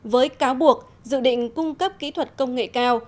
với cáo buộc dự định cung cấp kỹ thuật công nghệ cao